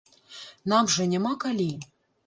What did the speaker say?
Нам жа няма калі!